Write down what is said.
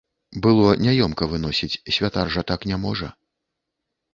Было няёмка выносіць, святар жа так не можа.